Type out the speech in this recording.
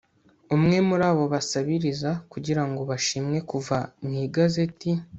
umwe muri abo basabiriza kugirango bashimwe kuva mu igazeti